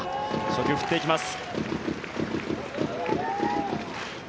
初球、振っていきます。